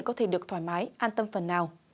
có thể được thoải mái an tâm phần nào